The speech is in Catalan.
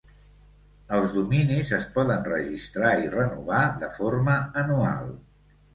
Els dominis es poden registrar i renovar de forma anual.